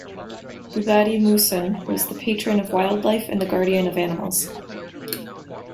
Bugady Musun was the patron of wildlife and the guardian of animals.